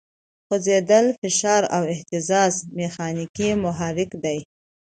خوځېدل، فشار او اهتزاز میخانیکي محرک دی.